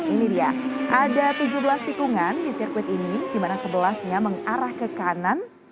ini dia ada tujuh belas tikungan di sirkuit ini di mana sebelasnya mengarah ke kanan